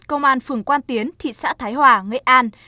công an phường quan tiến thị xã thái hòa nghệ an